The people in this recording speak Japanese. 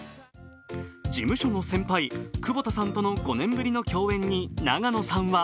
事務所の先輩・窪田さんとの５年ぶりの共演に永野さんは